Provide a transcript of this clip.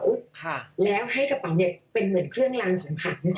ลงไปในกระเป๋าค่ะแล้วให้กระเป๋าเนี่ยเป็นเหมือนเครื่องรางของขัง